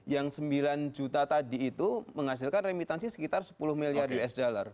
yang sembilan juta tadi itu menghasilkan remitansi sekitar sepuluh miliar usd